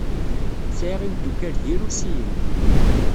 Sɛiɣ imeddukal d irusiyen.